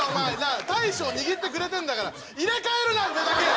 あ大将握ってくれてんだから入れ替えるな上だけ！